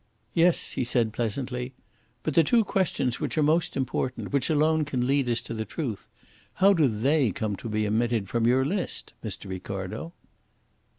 "Yes," he said pleasantly. "But the two questions which are most important, which alone can lead us to the truth how do they come to be omitted from your list, Mr. Ricardo?"